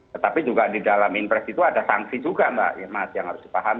tetapi juga di dalam impres itu ada sanksi juga mbak irmas